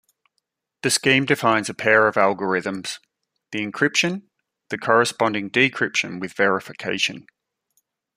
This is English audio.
The scheme defines a pair of algorithms; the encryption, the corresponding decryption with verification.